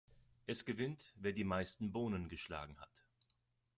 Es gewinnt, wer die meisten Bohnen geschlagen hat.